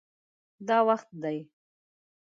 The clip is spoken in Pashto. دا وخت دی